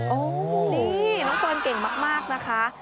โอ้โหนี่น้องเฟิร์นเก่งมากนะคะ